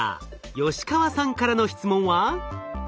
吉川さんからの質問は？